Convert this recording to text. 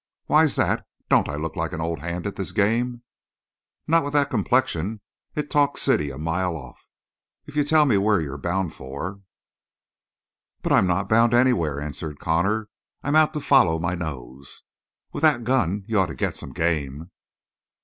"Why's that? Don't I look like an old hand at this game?" "Not with that complexion; it talks city a mile off. If you'd tell me where you're bound for " "But I'm not bound anywhere," answered Connor. "I'm out to follow my nose." "With that gun you ought to get some game."